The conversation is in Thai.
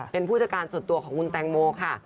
เป็นผู้จัดการส่วนตัวของคุณแตงโมค่ะ